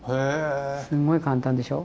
すごい簡単でしょ？